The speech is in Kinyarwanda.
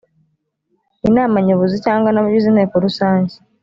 inama nyobozi cyangwa n’abagize inteko rusange